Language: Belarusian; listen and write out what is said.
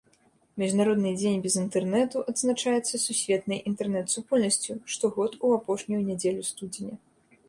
Міжнародны дзень без інтэрнэту адзначаецца сусветнай інтэрнэт-супольнасцю штогод у апошнюю нядзелю студзеня.